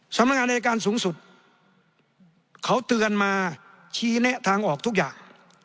สำนักงานอายการสูงสุดเขาเตือนมาชี้แนะทางออกทุกอย่าง